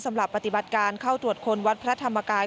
ปฏิบัติการเข้าตรวจคนวัดพระธรรมกาย